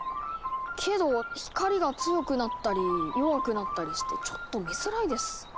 けど光が強くなったり弱くなったりしてちょっと見づらいです。